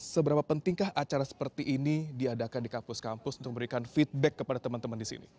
seberapa pentingkah acara seperti ini diadakan di kampus kampus untuk memberikan feedback kepada teman teman di sini